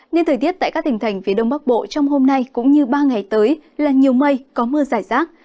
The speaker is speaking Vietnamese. nên thời tiết tại các tỉnh thành phía đông bắc bộ trong hôm nay cũng như ba ngày tới là nhiều mây có mưa giải rác